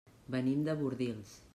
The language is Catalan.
Venim de Bordils.